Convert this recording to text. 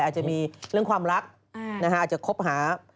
อาจจะมีเรื่องความรักอาจจะคบหา